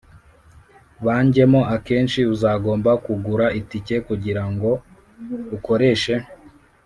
bajyemo Akenshi uzagomba kugura itike kugirango ukoreshe